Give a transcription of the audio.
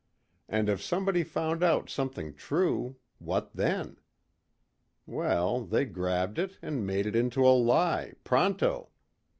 And if somebody found out something true, what then? Well, they grabbed it and made it into a lie, pronto!